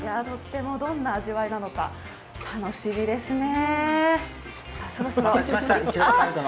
どんな味わいなのか、楽しみですね。